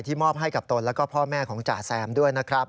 มอบให้กับตนแล้วก็พ่อแม่ของจ่าแซมด้วยนะครับ